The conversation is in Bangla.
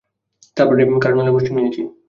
তারপর কারনুলে পোস্টিং নিয়েছি।